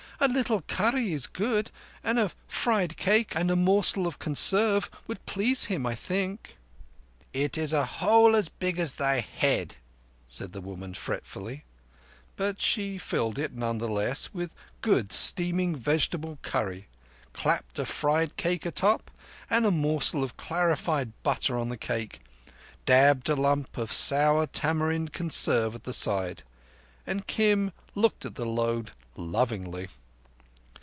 "A little curry is good, and a fried cake, and a morsel of conserve would please him, I think." "It is a hole as big as thy head," said the woman fretfully. But she filled it, none the less, with good, steaming vegetable curry, clapped a fried cake atop, and a morsel of clarified butter on the cake, dabbed a lump of sour tamarind conserve at the side; and Kim looked at the load lovingly.